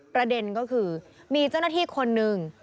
ประเด็นก็คือมีเจ้าหน้าที่คนหนึ่ง